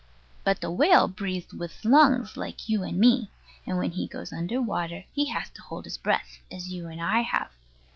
But the whale breathes with lungs like you and me; and when he goes under water he has to hold his breath, as you and I have.